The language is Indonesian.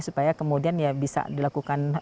supaya kemudian bisa dilakukan